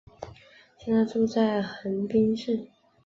现在住在横滨市。